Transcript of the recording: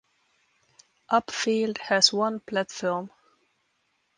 Upfield has one platform.